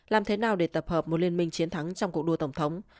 làm thế nào để tập hợp một liên minh chiến thắng trong cuộc đua tổng thống